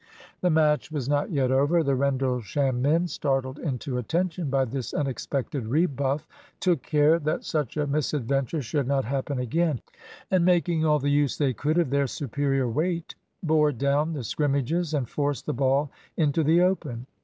The match was not yet over. The Rendlesham men, startled into attention by this unexpected rebuff, took care that such a misadventure should not happen again, and making all the use they could of their superior weight, bore down the scrimmages and forced the ball into the open.